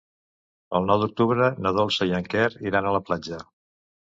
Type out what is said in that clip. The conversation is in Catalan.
El nou d'octubre na Dolça i en Quer iran a la platja.